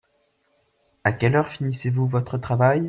À quelle heure finissez-vous votre travail ?